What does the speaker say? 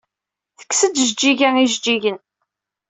Tekkes-d Jeǧǧiga ijeǧǧigen.